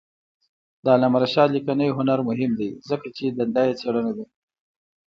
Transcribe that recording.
د علامه رشاد لیکنی هنر مهم دی ځکه چې دنده یې څېړنه ده.